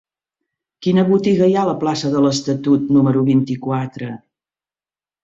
Quina botiga hi ha a la plaça de l'Estatut número vint-i-quatre?